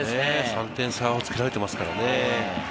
３点差つけられていますからね。